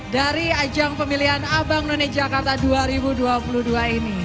dari ajang pemilihan abang none jakarta dua ribu dua puluh dua ini